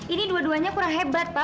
ini dua duanya kurang hebat pak